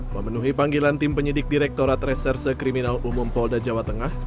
memenuhi panggilan tim penyidik direkturat reserse kriminal umum polda jawa tengah